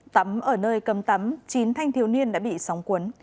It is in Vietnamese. tắm ở nơi cấm tắm chín thanh thiếu niên đã bị sóng cuốn